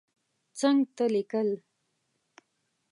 څنګ ته لیکل